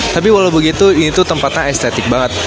tapi walau begitu itu tempatnya estetik banget